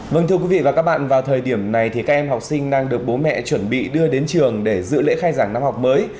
vâng thưa quý vị và các bạn vào thời điểm này thì các em học sinh đang được bố mẹ chuẩn bị đưa đến trường để dự lễ khai giảng năm học mới